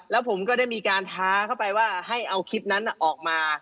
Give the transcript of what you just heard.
แล้วผมก็ได้มีการท้าเข้าไปว่าให้เอาคลิปนั้นออกมา